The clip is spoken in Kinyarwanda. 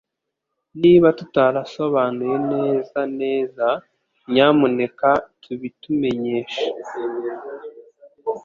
Niba tutarasobanuye neza neza, nyamuneka tubitumenyeshe